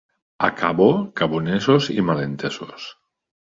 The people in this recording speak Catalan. A Cabó, cabonesos i malentesos.